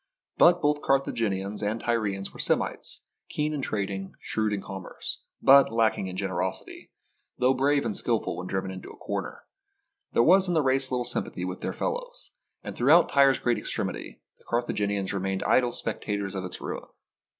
But both Carthaginians and Tyrians were Semites, keen in trading, shrewd in commerce, but lacking in generosity, though brave and skil SIEGE OF TYRE ful when driven into a corner. There was in the race little sympathy with their fellows, and throughout Tyre's great extremity, the Carthaginians remained idle spectators of its ruin.